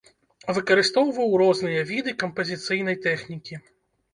Выкарыстоўваў розныя віды кампазіцыйнай тэхнікі.